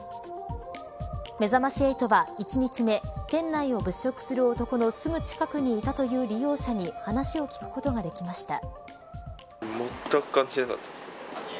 めざまし８は、１日目店内を物色する男のすぐ近くにいたという利用者に話を聞くことができました。